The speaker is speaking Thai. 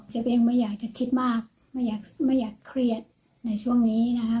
ตัวเองไม่อยากจะคิดมากไม่อยากเครียดในช่วงนี้นะคะ